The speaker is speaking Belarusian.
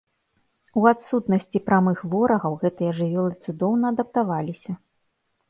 У адсутнасці прамых ворагаў гэтыя жывёлы цудоўна адаптаваліся.